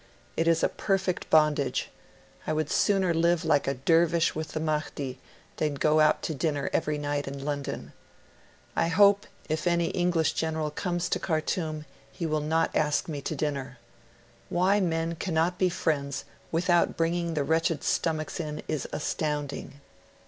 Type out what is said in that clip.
It is a perfect bondage ... I would sooner live 'like a Dervish with the Mahdi, than go out to dinner every night in London. I hope, if any English general comes to Khartoum, he will not ask me to dinner. Why men cannot be friends without bringing the wretched stomachs in, is astounding.'